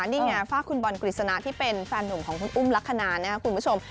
นี่ไงฝากคุณบอลกฤษณะที่เป็นแฟนหนุ่มของคุณอุ้มลักษณะนะครับคุณผู้ชม